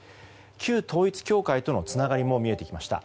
旧統一教会とのつながりも見えてきました。